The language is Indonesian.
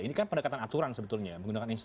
ini kan pendekatan aturan sebetulnya menggunakan